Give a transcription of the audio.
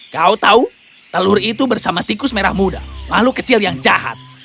kau tahu telur itu bersama tikus merah muda makhluk kecil yang jahat